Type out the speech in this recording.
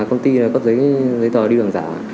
công ty có giấy tờ đi đường giả